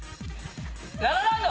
『ラ・ラ・ランド』！